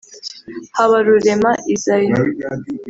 Habarurema Isaie